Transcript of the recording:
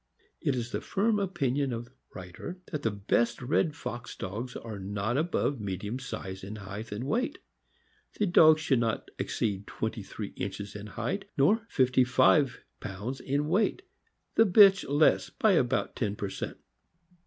It is the firm opinion of the writer that the best red fox dogs are not above medium in size and weight. The dog should not exceed twenty three inches in height nor fifty five pounds in weight; the bitch less by about ten per cent.